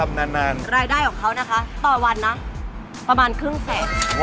รายได้ของเขานะคะต่อวันนะประมาณครึ่งแสน